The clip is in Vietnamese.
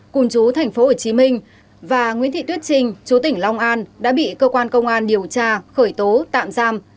cùng chú tp hcm và nguyễn thị tuyết trinh chủ tỉnh long an đã bị cơ quan công an điều tra khởi tố tạm giam